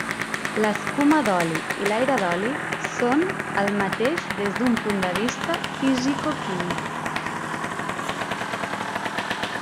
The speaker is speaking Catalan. L'escuma d'oli i l'aire d'oli són el mateix des d’un punt de vista fisicoquímic.